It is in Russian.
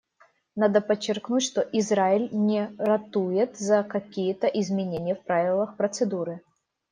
Надо подчеркнуть, что Израиль не ратует за какие-то изменения в правилах процедуры.